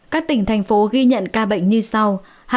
các tỉnh thành phố ghi nhận ca bệnh như sau